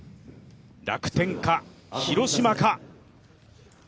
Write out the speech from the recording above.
楽天か、広島か。